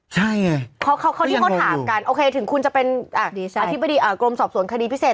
ใช่เขายังมอยอยู่ถึงคุณจะเป็นอธิบดีกรมสอบสวนคดีพิเศษ